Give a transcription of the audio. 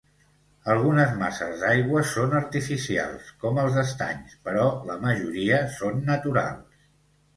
Algunes masses d'aigua són artificials, com els estanys, però la majoria són naturals.